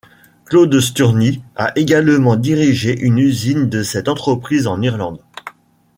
Claude Sturni a également dirigé une usine de cette entreprise en Irlande.